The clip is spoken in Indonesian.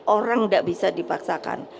orang tidak bisa dipaksakan